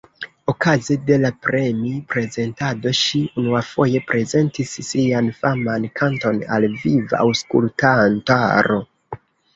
Okaze de la premi-prezentado ŝi unuafoje prezentis sian faman kanton al viva aŭskultantaro.